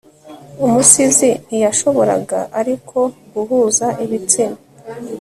Umusizi ntiyashoboraga ariko guhuza ibitsina